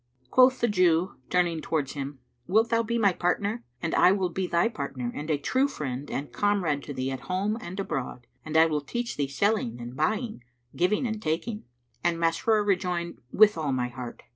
Quoth the Jew, turning towards him, "Wilt thou be my partner, and I will be thy partner and a true friend and comrade to thee at home and abroad; and I will teach thee selling and buying, giving and taking?" And Masrur rejoined, "With all my heart."